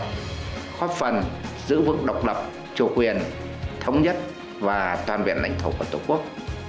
góp phần giữ vững độc lập chủ quyền thống nhất và toàn biện lãnh thổ của tổ quốc